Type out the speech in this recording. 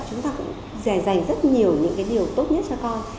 chúng ta cũng rẻ dành rất nhiều những cái điều tốt nhất cho con